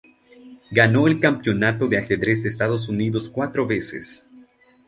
Ganó el Campeonato de ajedrez de Estados Unidos cuatro veces.